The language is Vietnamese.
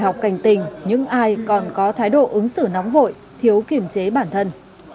học cảnh tình những ai còn có thái độ ứng xử nóng vội thiếu kiểm chế bản thân